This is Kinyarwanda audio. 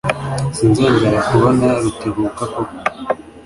Sinzongera kubona Rutebuka koko.